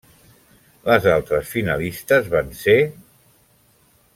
Les altres finalistes van ser: